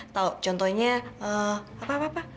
tau contohnya apa apa